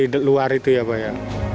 oh sudah di luar itu ya pak ya